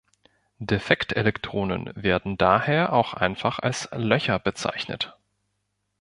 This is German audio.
Defektelektronen werden daher auch einfach als „Löcher“ bezeichnet.